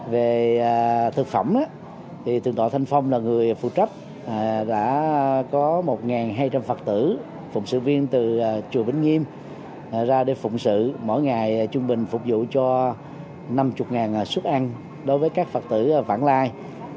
về thực phẩm tạ thanh phong là người phụ trách đã có một hai trăm linh phật tử phụng sự viên từ chùa vĩnh nghiêm ra để phụng sự mỗi ngày trung bình phục vụ cho năm mươi xuất ăn đối với các phật tử vãng lai